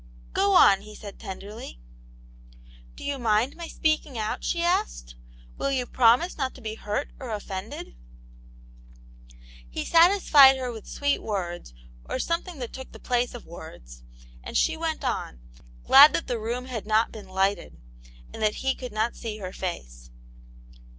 " Go on," he said, tenderly. "Do you mind my speaking out?" she asked. " WiJJ yo\x promise not to b^ Viwxt ot o^^tAsAV^ I06 Aunt Jane's Ilcro, He satisfied her with sweet words, or something that took the place of words, and she went on, glad that the room had not been lighted, and that he could not see her face.